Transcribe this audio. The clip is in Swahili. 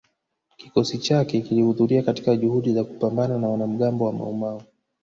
kikosi chake kilihudhuria katika juhudi za kupambana na wanamgambo wa Maumau